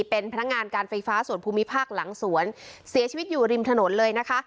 เป็นพนักงานการไฟฟ้าส่วนภูมิภาคหลังสวนเสียชีวิตอยู่ริมถนนเลยนะคะ